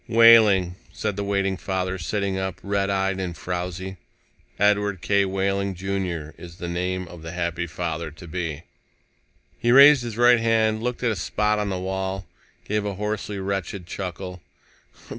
"Wehling," said the waiting father, sitting up, red eyed and frowzy. "Edward K. Wehling, Jr., is the name of the happy father to be." He raised his right hand, looked at a spot on the wall, gave a hoarsely wretched chuckle.